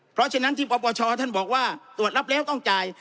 เพราะฉะนั้นที่ปปชท่านบอกว่าตรวจรับแล้วต้องจ่าย